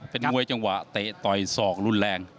เป็นมวยจังหวะเตะต่อยศอกรุนแรง